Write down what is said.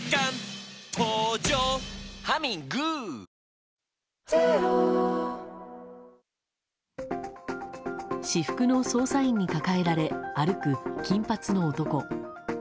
「ビオレ」私服の捜査員に抱えられ、歩く金髪の男。